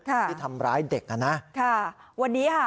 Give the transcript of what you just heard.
ที่ทำร้ายเด็กอ่ะนะค่ะวันนี้ค่ะ